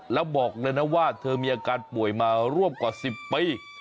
แล้วบอกเลยนะว่าเธอมีอาการป่วยมาร่วมกว่า๑๐ปี